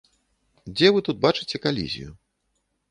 Дзе вы тут бачыце калізію?